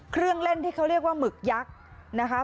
เครื่องเล่นที่เขาเรียกว่าหมึกยักษ์นะคะ